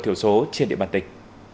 thiểu số trên địa bàn tịch